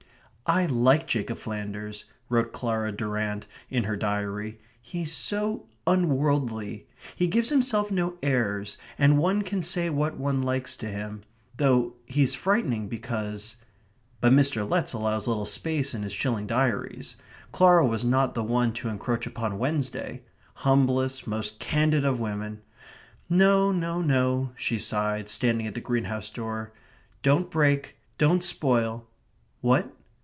"I like Jacob Flanders," wrote Clara Durrant in her diary. "He is so unworldly. He gives himself no airs, and one can say what one likes to him, though he's frightening because ..." But Mr. Letts allows little space in his shilling diaries. Clara was not the one to encroach upon Wednesday. Humblest, most candid of women! "No, no, no," she sighed, standing at the greenhouse door, "don't break don't spoil" what?